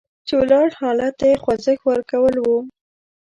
چې ولاړ حالت ته یې خوځښت ورکول وو.